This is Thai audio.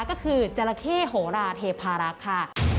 ก็คือจราเข้โหราเทพารักษ์ค่ะ